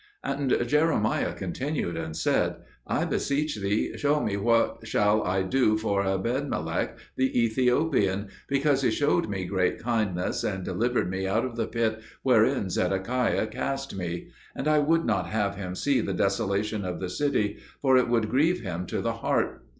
'" And Jeremiah continued and said, "I beseech Thee, show me what I shall do for Ebedmelech the Ethiopian, because he showed me great kindness and delivered me out of the pit wherein Zedekiah cast me; and I would not have him see the desolation of the city, for it would grieve him to the heart."